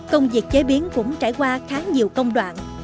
công việc chế biến cũng trải qua khá nhiều công đoạn